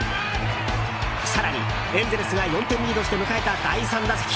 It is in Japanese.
更に、エンゼルスが４点リードして迎えた第３打席。